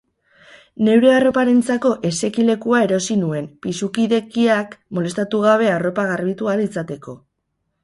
Neure arroparentzako esekilekua erosi nuen, pisukidekiak molestatu gabe arropa garbitu ahal izateko.